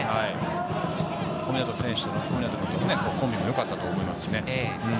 小湊選手とのコンビもよかったと思いますしね。